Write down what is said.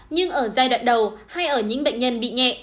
nhưng ở giai đoạn đầu hay ở những bệnh nhân bị nhẹ